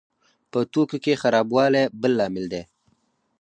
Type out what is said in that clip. په توکو کې خرابوالی بل لامل دی.